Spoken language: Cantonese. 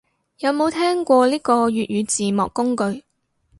有冇聽過呢個粵語字幕工具